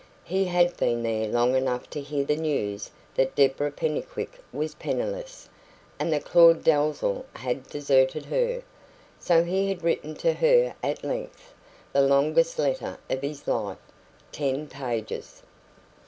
He had been there long enough to hear the news that Deborah Pennycuick was penniless, and that Claud Dalzell had deserted her. So he had written to her at length the longest letter of his life ten pages.